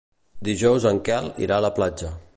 Dijous en Quel irà a la platja.